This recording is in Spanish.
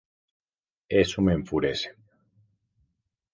Eso me enfurece".